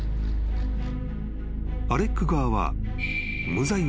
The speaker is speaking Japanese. ［アレック側は］